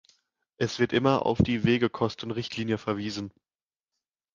Es wird immer auf die Wegekostenrichtlinie verwiesen.